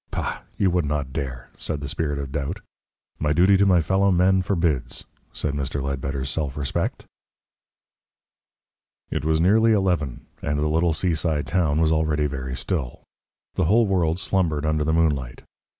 "Bah! You would not dare," said the Spirit of Doubt. "My duty to my fellow men forbids," said Mr. Ledbetter's self respect. It was nearly eleven, and the little seaside town was already very still. The whole world slumbered under the moonlight.